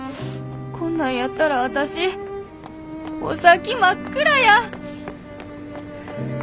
こんなんやったら私お先真っ暗や！